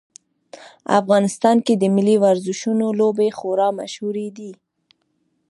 افغانستان کې د ملي ورزشونو لوبې خورا مشهورې دي